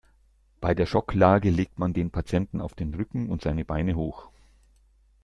Bei der Schocklage legt man den Patienten auf den Rücken und seine Beine hoch.